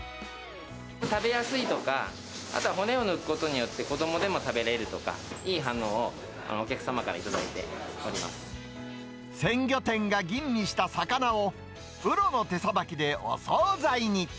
食べやすいとか、あとは骨を抜くことによって、子どもでも食べれるとか、いい反応をお客様か鮮魚店が吟味した魚を、プロの手さばきでお総菜に。